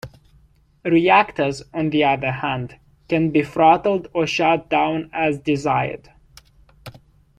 Reactors, on the other hand, can be throttled or shut down as desired.